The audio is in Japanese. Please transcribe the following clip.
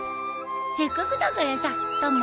せっかくだからさたま